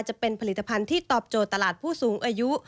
จะเป็นผลิตภัณฑ์ที่ตอบโจทย์ตลาดผู้สูงอายุ